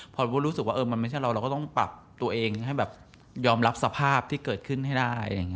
พอรู้สึกว่ามันไม่ใช่เราเราก็ต้องปรับตัวเองให้แบบยอมรับสภาพที่เกิดขึ้นให้ได้